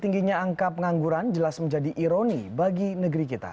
tingginya angka pengangguran jelas menjadi ironi bagi negeri kita